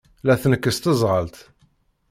La tneqqes teẓɣelt.